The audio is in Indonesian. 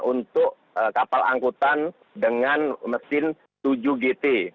untuk kapal angkutan dengan mesin tujuh gt